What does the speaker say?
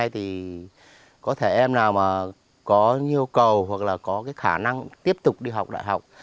thì có thể em nào mà có nhu cầu hoặc là có cái khả năng tiếp tục đi học đại học